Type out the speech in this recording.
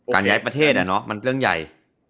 การย้ายประเทศน่ะเนอะมันเรื่องใหญ่